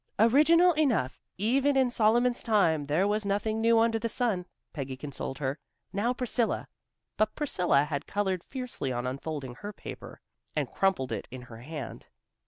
"Original enough. Even in Solomon's time there was nothing new under the sun," Peggy consoled her. "Now, Priscilla." But Priscilla had colored fiercely on unfolding her paper and crumpled it in her hand.